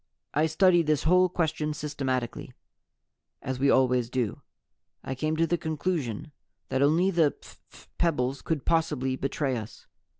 "I studied this whole question systematically, as We always do. I came to the conclusion that only the phph pebbles could possibly betray us.